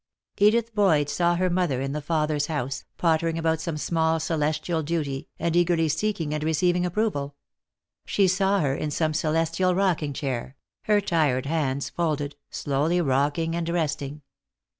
Edith Boyd saw her mother in the Father's house, pottering about some small celestial duty, and eagerly seeking and receiving approval. She saw her, in some celestial rocking chair, her tired hands folded, slowly rocking and resting.